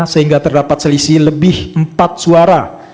sehingga terdapat selisih lebih empat suara